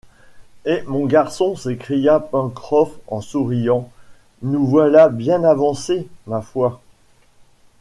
Eh mon garçon, s’écria Pencroff en souriant, nous voilà bien avancés, ma foi